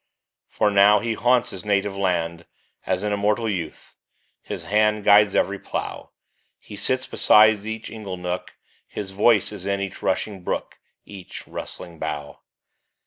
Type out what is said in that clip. For now he haunts his native land As an immortal youth ; his hand Guides every plough ; He sits beside each ingle nook, His voice is in each rushing brook, Each rustling bough.